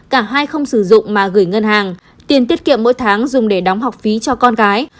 cả hai không sử dụng mà gửi ngân hàng tiền tiết kiệm mỗi tháng dùng để đóng học phí cho con gái